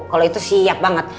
kalau itu siap banget